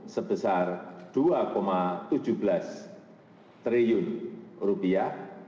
sebesar rp dua tujuh belas triliun